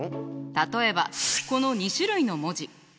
例えばこの２種類の文字。